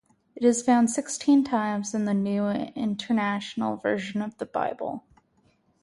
It is found sixteen times in the New International Version of the Bible.